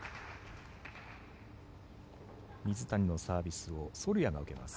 水谷のサービスをソルヤが受けます。